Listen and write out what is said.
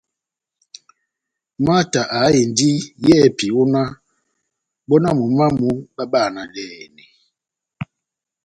Mata aháhindi yɛ́hɛ́pi ó náh bɔ náh momó wamu báháhabanɛhɛni.